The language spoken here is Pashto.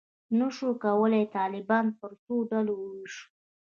نه شو کولای طالبان پر څو ډلو وویشو.